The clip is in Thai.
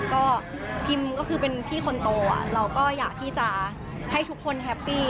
ก็พิมก็คือเป็นพี่คนโตเราก็อยากที่จะให้ทุกคนแฮปปี้